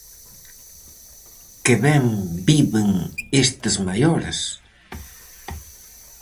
Que ben viven estes maiores!